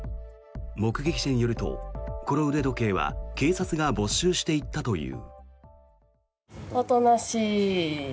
目撃者によると、この腕時計は警察が没収していったという。